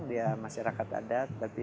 dia masyarakat adat